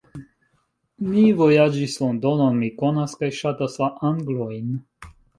Mi vojaĝis Londonon; mi konas kaj ŝatas la Anglojn.